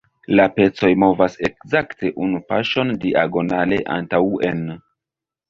La pecoj movas ekzakte unu paŝon diagonale antaŭen.